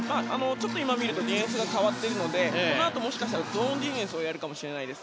ちょっと今、見るとディフェンスが変わっているのでこのあともしかしたらゾーンディフェンスをやるかもしれないです。